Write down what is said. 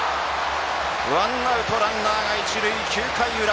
ワンアウトランナー一塁、９回裏。